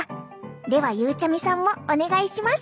ではゆうちゃみさんもお願いします。